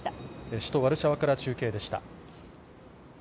首都ワルシャワから中継でした。